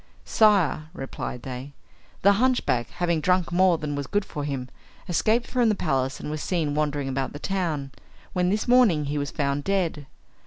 "Sire," replied they, "the hunchback having drunk more than was good for him, escaped from the palace and was seen wandering about the town, where this morning he was found dead.